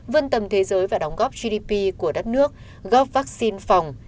vươn tầm thế giới và đóng góp gdp của đất nước góp vaccine phòng